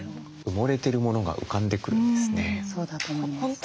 埋もれてるものが浮かんでくるんですね。